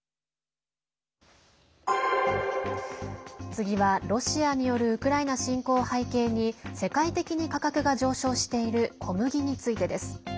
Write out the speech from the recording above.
次は、ロシアによるウクライナ侵攻を背景に世界的に価格が上昇している小麦についてです。